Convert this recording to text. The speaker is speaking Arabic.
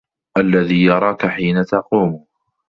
الَّذي يَراكَ حينَ تَقومُ